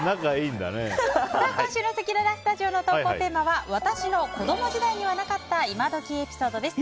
今週のせきららスタジオの投稿テーマは私の子供時代にはなかった今どきエピソードです。